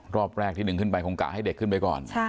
รอบแรกที่ดึงขึ้นไปคงกะให้เด็กขึ้นไปก่อน